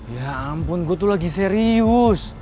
ya ampun gue tuh lagi serius